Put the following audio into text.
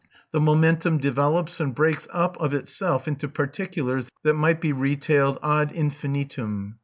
The momentum develops and breaks up of itself into particulars that might be retailed _ad infinitum.